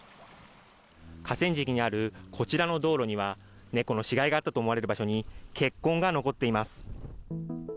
河川敷にある、こちらの道路には猫の死骸があったと思われる場所に血痕が残っています。